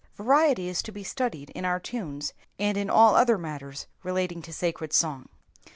Variety is to be studied in our tunes, and in all other matters relating to sacred song.